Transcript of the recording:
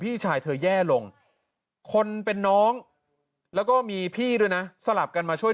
พี่ชายเธอแย่ลงคนเป็นน้องแล้วก็มีพี่ด้วยนะสลับกันมาช่วย